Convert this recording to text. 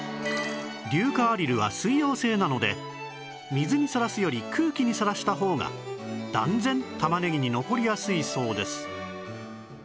硫化アリルは水溶性なので水にさらすより空気にさらした方が断然玉ねぎに残りやすいそうです